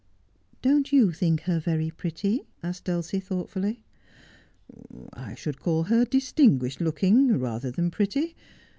'Don't you think her very pretty?' asked Dulcie thought fully. ' I should call her distinguished looking, rather than pretty.